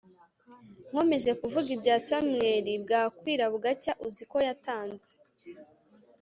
nkomeje kuvuga ibya Samweli bwa kwira bugacya uziko yatanze